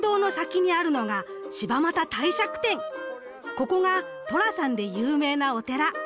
ここが寅さんで有名なお寺。